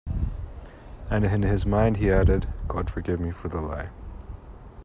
And in his mind he added: "God forgive me for the lie."